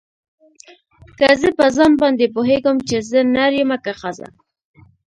که زه په ځان باندې پوهېږم چې زه نر يمه که ښځه.